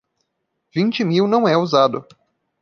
Vinte mil não é usado